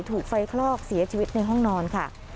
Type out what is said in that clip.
ถูกไฟคลอกเสียชีวิตในห้องนอนค่ะ